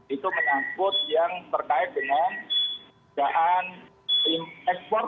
itu menangkut yang terkait dengan jahat ekspor